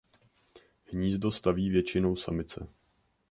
Hnízdo staví většinou samice.